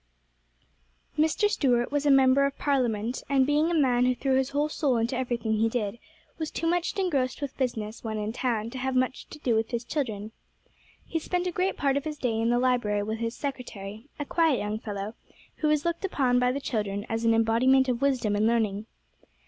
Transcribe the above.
Mr. Stuart was a Member of Parliament, and being a man who threw his whole soul into everything he did, was too much engrossed with business when in town to have much to do with his children. He spent a great part of his day in the library with his secretary, a quiet young fellow, who was looked upon by the children as an embodiment of wisdom and learning.